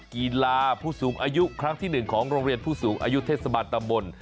กีฬาผู้สูงอายุครั้งที่๑ของโรงเรียนผู้สูงอายุเทศบาลตำบล